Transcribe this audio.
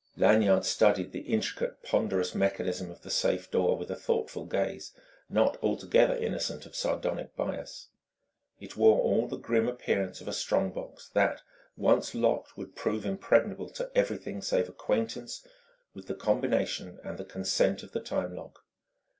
Lanyard studied the intricate, ponderous mechanism of the safe door with a thoughtful gaze not altogether innocent of sardonic bias. It wore all the grim appearance of a strong box that, once locked, would prove impregnable to everything save acquaintance with the combination and the consent of the time lock.